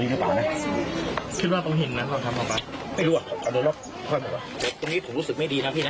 ไม่รู้อ่ะเอาหน่อยล่ะพอให้หมดตรงนี้ผมรู้สึกไม่ดีน่ะพี่น่ะ